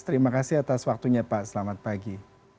terima kasih atas waktunya pak selamat pagi